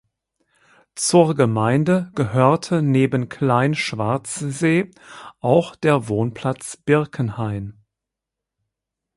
Zur Gemeinde gehörte neben Klein Schwarzsee auch der Wohnplatz Birkenhain.